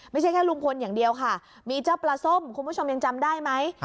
ไม่ใช่แค่ลุงพลอย่างเดียวค่ะมีเจ้าปลาส้มคุณผู้ชมยังจำได้ไหม